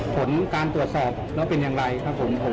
ผลการตรวจสอบแล้วเป็นอย่างไรครับผม